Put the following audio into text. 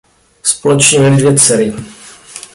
Společně měli dvě dcery.